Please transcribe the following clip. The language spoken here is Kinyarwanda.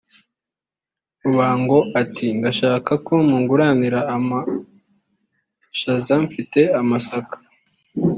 " Rubango ati "Ndashaka ko munguranira amashaza mfite amasaka